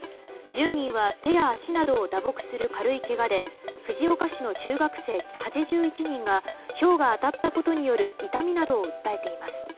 １０人は手や足などを打撲する軽いけがで藤岡市の中学生８１人がひょうが当たったことによる痛みなどを訴えています。